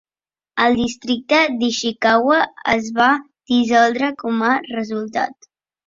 El districte d'Ishikawa es va dissoldre com a resultat.